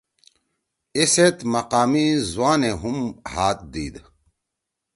ای سیت مقامی زُوانے ہُم ہات دیِد۔